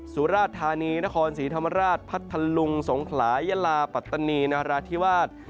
สุราชธานีนครศรีธรรมราชพัทธลุงสงขลายลาปัตตานีนาราธิวาส